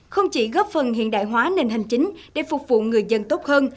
không chỉ góp phần hiện đại hóa nền hành chính để phục vụ người dân tốt hơn